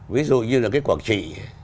ví dụ như là cái quảng trị